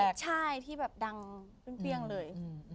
ใช่ที่แบบดังเปรี้ยงเลย